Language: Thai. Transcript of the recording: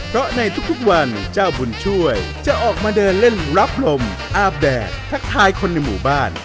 เพราะในทุกวันเจ้าบุญช่วยจะออกมาเดินเล่นรับลมอาบแดดทักทายคนในหมู่บ้าน